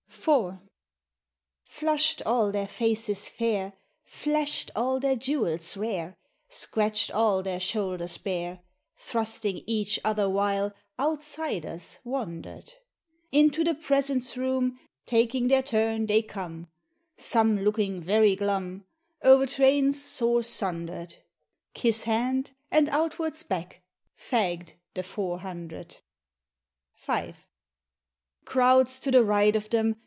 172 IV. Flushed all iheir faces fair, Flashed all their jewels rare, Scratched all their shoulders bare, 'Jhrusling each other — while Outsiders wondered: Into the Presence Room, Taking their turn they come, — Some looking very glum O'er trains sore sundered; — Kiss hand, and outwards back. Fagged, the Four Hundred ! V. Crowds to the right of them.